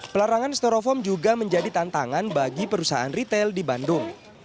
pelarangan steroform juga menjadi tantangan bagi perusahaan retail di bandung